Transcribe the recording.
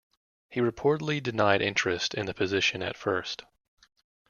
He reportedly denied interest in the position at first.